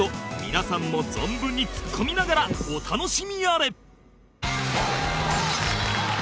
皆さんも存分にツッコみながらお楽しみあれ！